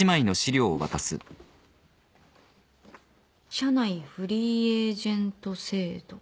社内フリーエージェント制度？